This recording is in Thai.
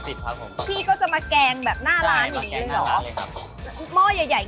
พี่ก็จะมาแกงแบบหน้าร้านนี้เหรอ